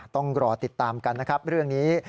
ต้องรอติดตามกันนะครับเรื่องนี้